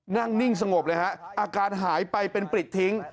นิ่งสงบเลยฮะอาการหายไปเป็นปริดทิ้ง